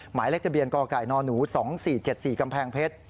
หมายเลขทะเบียนกไก่นหนู๒๔๗๔กำแพงเพชร